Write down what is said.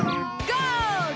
ゴール！